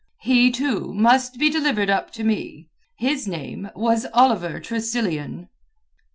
He, too, must be delivered up to me. His name was Oliver Tressilian."